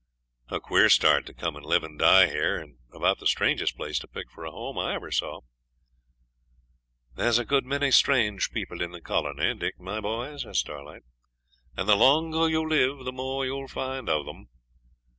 'A queer start, to come and live and die here; and about the strangest place to pick for a home I ever saw.' 'There's a good many strange people in the colony, Dick, my boy,' says Starlight, 'and the longer you live the more you'll find of them.